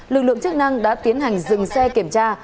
lực lượng chức năng đã tiến hành dừng xe kiểm tra